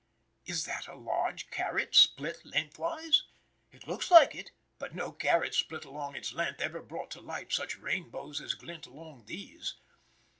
Is that a large carrot split lengthwise? It looks like it, but no carrot split along its length ever brought to light such rainbows as glint along these.